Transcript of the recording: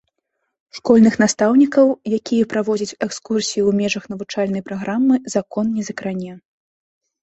Школьных настаўнікаў, якія праводзяць экскурсіі ў межах навучальнай праграмы, закон не закране.